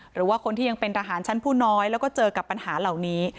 หรือว่าคนที่ยังเป็นทหารชั้นผู้น้อยแล้วก็เจอกับปัญหาเหล่านี้